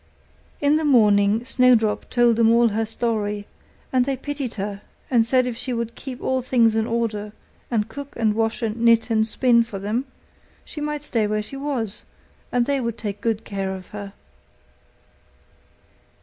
In the morning Snowdrop told them all her story; and they pitied her, and said if she would keep all things in order, and cook and wash and knit and spin for them, she might stay where she was, and they would take good care of her.